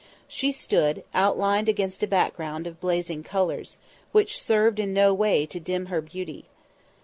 She stood, outlined against a background of blazing colours, which served in no way to dim her beauty.